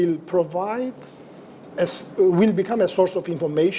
ibraf akan menjadi sumber informasi